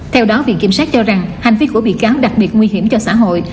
theo đó viện kiểm sát cho rằng hành vi của bị cáo đặc biệt nguy hiểm cho xã hội